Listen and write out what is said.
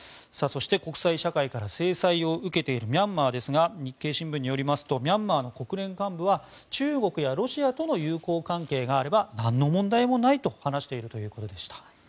そして、国際社会から制裁を受けているミャンマーですが日経新聞によりますとミャンマーの国連幹部は中国やロシアとの友好関係があればなんの問題もないと話しているということでした。